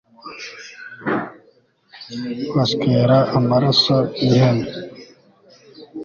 Baswera amaraso yihene